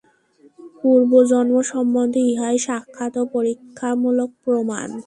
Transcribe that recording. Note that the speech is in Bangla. পূর্বজন্ম সম্বন্ধে ইহাই সাক্ষাৎ ও পরীক্ষামূলক প্রমাণ।